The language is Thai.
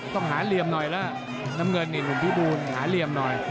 ต้องหาเหลี่ยมหน่อยแล้วน้ำเงินนี่หนุ่มพิบูลหาเหลี่ยมหน่อย